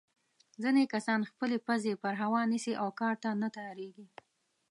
ځینې کسان خپلې پزې په هوا نیسي او کار ته نه تیارېږي.